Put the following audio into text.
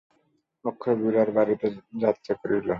অক্ষয় খুড়ার বাড়িতে যাত্রা করিল।